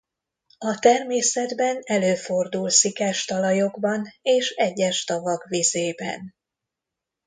A természetben előfordul szikes talajokban és egyes tavak vizében.